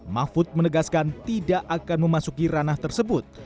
mahfud menegaskan tidak akan memasuki ranah tersebut